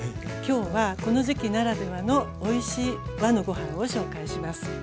今日はこの時期ならではのおいしい和のごはんを紹介します。